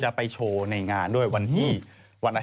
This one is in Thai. จากกระแสของละครกรุเปสันนิวาสนะฮะ